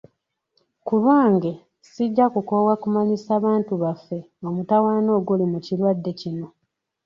Kulwange, sijja kukoowa kumanyisa bantu baffe omutawaana oguli mu kirwadde kino.